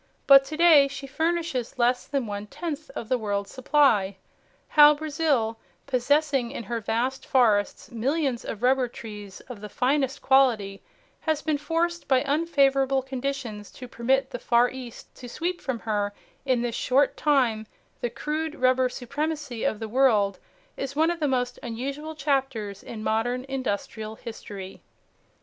But to day she furnishes less than one tenth of the world's supply. How Brazil, possessing in her vast forests millions of rubber trees of the finest quality, has been forced by unfavorable conditions to permit the Far East to sweep from her in this short time the crude rubber supremacy of the world is one of the most unusual chapters in modern industrial history.